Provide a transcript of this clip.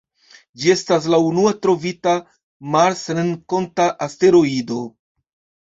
Ĝi estas la unua trovita marsrenkonta asteroido.